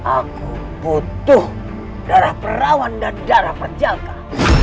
aku butuh darah perawan dan darah penjaga